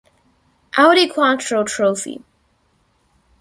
Audi Quattro Trophy